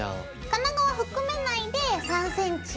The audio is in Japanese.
金具を含めないで３ｃｍ。ＯＫ。